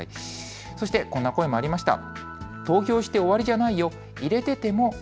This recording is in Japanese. そしてこんな声もありました。